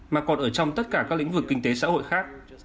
mà còn ở trong tất cả các lĩnh vực kinh tế xã hội khác